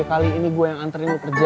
kali ini gue yang anterin lu kerja